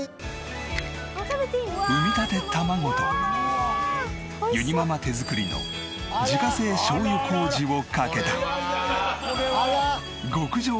産みたて卵とゆにママ手作りの自家製しょう油麹をかけた。